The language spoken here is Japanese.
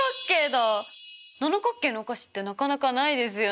七角形のお菓子ってなかなかないですよね。